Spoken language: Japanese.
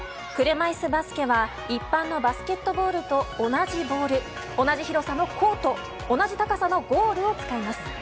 車いすバスケは一般のバスケットボールと同じボール、同じ広さのコート同じ高さのゴールを使います。